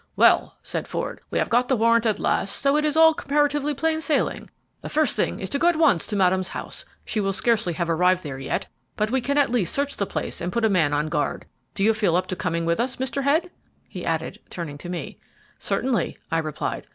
"Well," said Ford, "we have got the warrant at last, so it is all comparatively plain sailing. The first thing is to go at once to Madame's house. She will scarcely have arrived there yet, but we can at least search the place and put a man on guard. Do you feel up to coming with us, Mr. Head?" he added, turning to me. "Certainly," I replied.